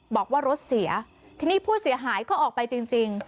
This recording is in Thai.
บอกว่ารถเสียทีนี้ผู้เสียหายก็ออกไปจริง